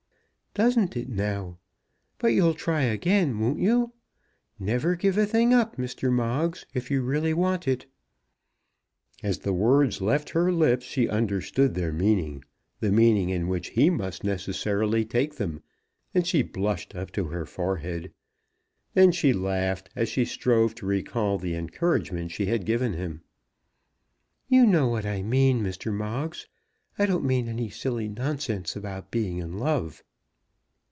"Doesn't it now? But you'll try again; won't you? Never give a thing up, Mr. Moggs, if you want it really." As the words left her lips she understood their meaning, the meaning in which he must necessarily take them, and she blushed up to her forehead. Then she laughed as she strove to recall the encouragement she had given him. "You know what I mean, Mr. Moggs. I don't mean any silly nonsense about being in love."